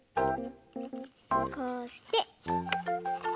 こうして。